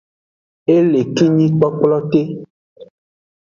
E le kinyi kplokplote.